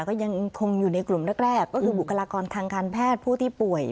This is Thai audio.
ก็ยังคงอยู่ในกลุ่มแรกก็คือบุคลากรทางการแพทย์ผู้ที่ป่วย